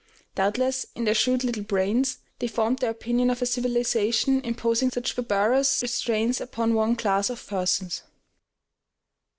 Doubtless, in their shrewd little brains, they formed their opinion of a civilization imposing such barbarous restraints upon one class of persons.